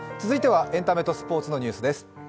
続いてはエンタメとスポーツのニュースです。